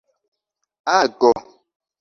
ago